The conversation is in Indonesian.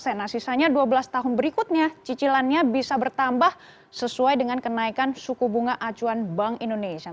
nah sisanya dua belas tahun berikutnya cicilannya bisa bertambah sesuai dengan kenaikan suku bunga acuan bank indonesia